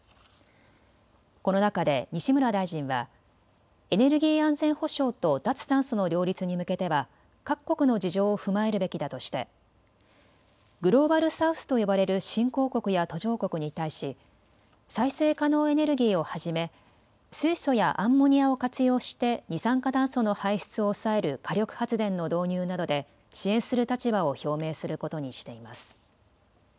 この中で西村大臣はエネルギー安全保障と脱炭素の両立に向けては各国の事情を踏まえるべきだとしてグローバル・サウスと呼ばれる新興国や途上国に対し再生可能エネルギーをはじめ、水素やアンモニアを活用して二酸化炭素の排出を抑える火力発電の導入などで支援する立場を表明することにしています。